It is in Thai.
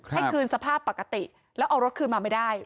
ให้คืนสภาพปกติแล้วเอารถคืนมาไม่ได้